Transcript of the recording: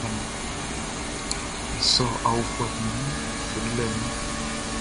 Be sɔ aofuɛʼm be nun srilɛ nun.